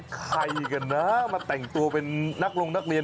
ใครกันนะมาแต่งตัวเป็นนักลงนักเรียน